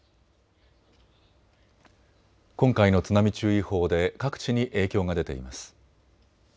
今回の津波注意報で各地に影響が出ています。